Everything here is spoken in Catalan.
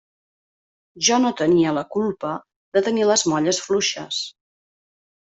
Jo no tenia la culpa de «tenir les molles fluixes».